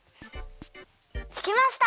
できました！